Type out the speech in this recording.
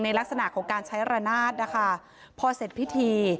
ลักษณะของการใช้ระนาดนะคะพอเสร็จพิธี